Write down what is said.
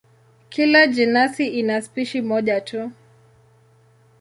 Kila jenasi ina spishi moja tu.